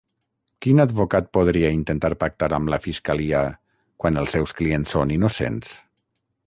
Quin advocat podria intentar pactar amb la fiscalia quan els seus clients són innocents?